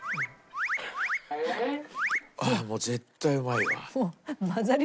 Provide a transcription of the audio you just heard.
ああもう絶対うまいわ。